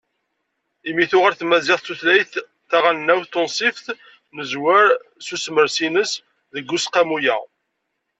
Imi tuɣal tmaziɣt d tutlayt taɣelnawt tunṣibt, nezwer s usemres-ines deg Useqqamu-a.